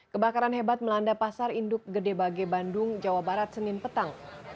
kebakaran hebat melanda pasar induk gede bage bandung jawa barat senin petang